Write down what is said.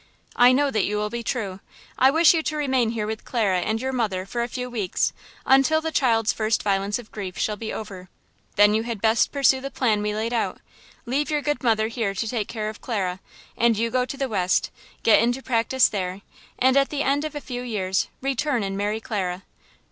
"I know that you will be true; I wish you to remain here with Clara and your mother for a few weeks, until the child's first violence of grief shall be over. Then you had best pursue the plan we laid out. Leave your good mother here to take care of Clara, and you go to the West, get into practice there, and, at the end of a few years, return and marry Clara.